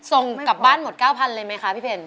ส่งกลับบ้านหมด๙๐๐เลยไหมคะพี่เพน